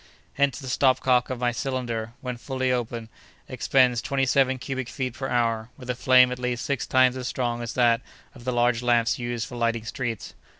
Hence, the stopcock of my cylinder, when fully open, expends 27 cubic feet per hour, with a flame at least six times as strong as that of the large lamps used for lighting streets.